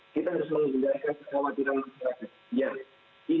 kita harus menghindarkan kekhawatiran masyarakat